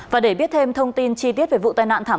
và để biết thêm thông tin chi tiết về vụ tai nạn